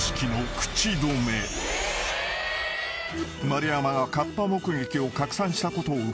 ［丸山がカッパ目撃を拡散したことを受け